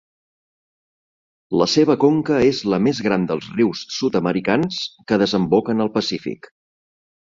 La seva conca és la més gran dels rius sud-americans que desemboquen al Pacífic.